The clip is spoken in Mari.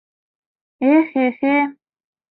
— Э-хе-хе...